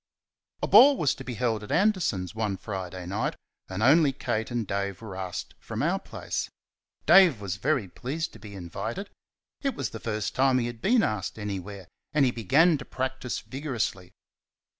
A ball was to be held at Anderson's one Friday night, and only Kate and Dave were asked from our place. Dave was very pleased to be invited; it was the first time he had been asked anywhere, and he began to practise vigorously.